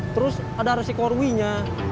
terus ada resiko ruinya